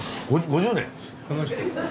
５０年！